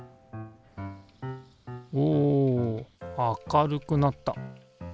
お明るくなった。